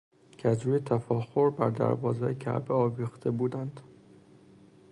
که از روی تفاخر بر دروازه های کعبه آویخته بودند